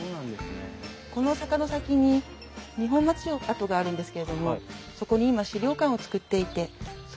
この坂の先に二本松城跡があるんですけれどもそこに今資料館を作っていてその準備担当をされているんです。